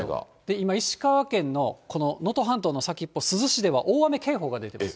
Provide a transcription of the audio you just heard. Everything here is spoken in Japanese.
今、石川県のこの能登半島の先っぽ、珠洲市では大雨警報が出ています。